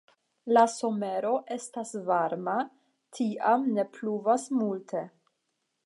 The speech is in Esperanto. La somero estas varma, tiam ne pluvas multe.